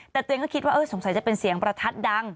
แต่ตัวเองก็คิดว่าสงสัยจะเป็นเสียงประทัดดัง